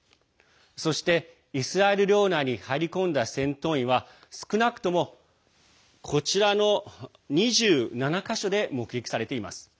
そして、イスラエル領内に入り込んだ戦闘員は少なくとも、こちらの２７か所で目撃されています。